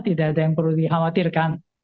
tidak ada yang perlu dikhawatirkan